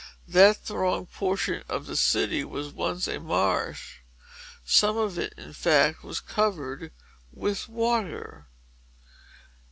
That thronged portion of the city was once a marsh. Some of it, in fact, was covered with water."